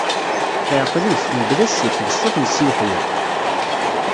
Teɛqel-it, mebla ccek, d ṣṣut n Si Yeḥya.